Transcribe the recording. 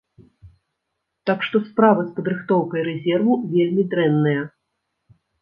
Так што справы з падрыхтоўкай рэзерву вельмі дрэнныя.